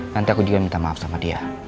nanti aku juga minta maaf sama dia